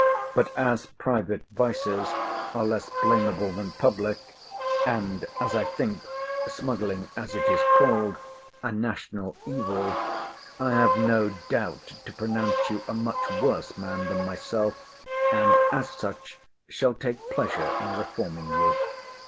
But as private vices are less blamable than public; and as I think smuggling (as it is called) a national evil; I have no doubt to pronounce you a much worse man than myself, and as such shall take pleasure in reforming you.